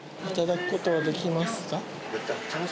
頂くことはできますか？